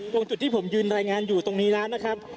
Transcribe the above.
ตรงจุดที่ผมยืนรายงานอยู่ตรงนี้แล้วนะครับ